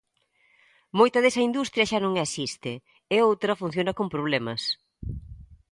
Moita desa industria xa non existe, e outra funciona con problemas.